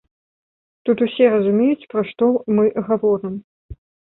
Тут усе разумеюць, пра што мы гаворым.